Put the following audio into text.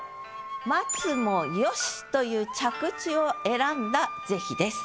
「待つもよし」という着地を選んだ是非です。